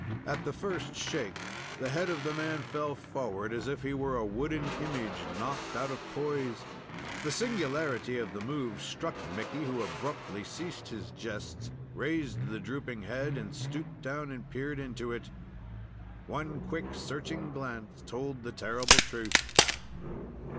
At the first shake the head of the man fell forward, as if he were a wooden image knocked out of poise. The singularity of the move struck Mickey, who abruptly ceased his jests, raised the drooping head, and stooped down and peered into it. One quick, searching glance told the terrible truth.